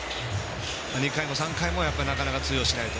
２回も３回もなかなか通用しないと。